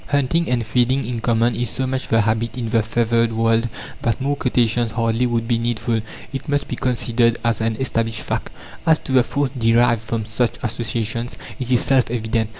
Hunting and feeding in common is so much the habit in the feathered world that more quotations hardly would be needful: it must be considered as an established fact. As to the force derived from such associations, it is self evident.